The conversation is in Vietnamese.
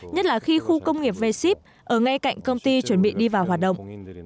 nhất là khi khu công nghiệp v ship ở ngay cạnh công ty chuẩn bị đi vào hoạt động